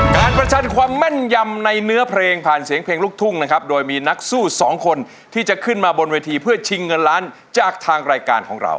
ประชันความแม่นยำในเนื้อเพลงผ่านเสียงเพลงลูกทุ่งนะครับโดยมีนักสู้สองคนที่จะขึ้นมาบนเวทีเพื่อชิงเงินล้านจากทางรายการของเรา